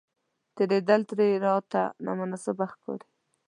تېرېدل ترې راته نامناسبه ښکاري.